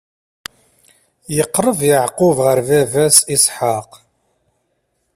Iqeṛṛeb Yeɛqub ɣer baba-s Isḥaq.